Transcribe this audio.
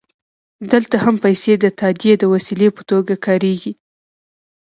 دلته هم پیسې د تادیې د وسیلې په توګه کارېږي